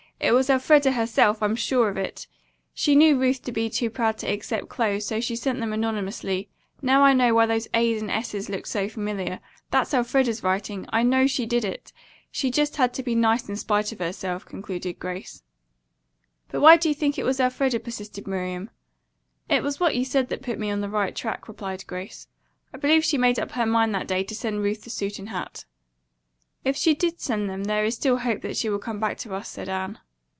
It was Elfreda herself. I'm sure of it. She knew Ruth to be too proud to accept clothes, so she sent them anonymously. Now I know why those 'a's' and 's's' looked so familiar. That's Elfreda's writing. I know she did it. She just had to be nice in spite of herself," concluded Grace. "But why do you think it was Elfreda?" persisted Miriam. "It was what you said that put me on the right track," replied Grace. "I believe she made up her mind that day to send Ruth the suit and hat." "If she did send them, there is still hope that she will come back to us," said Anne.